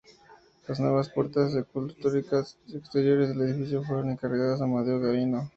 Las nuevas puertas escultóricas exteriores del edificio fueron encargadas a Amadeo Gabino.